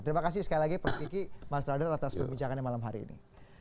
terima kasih sekali lagi prof kiki mas radar atas perbincangannya malam hari ini